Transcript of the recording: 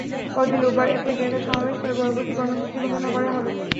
পরদিন রোববার একই জায়গায় সমাবেশ করে পরবর্তী কর্মসূচি ঘোষণা করা হবে।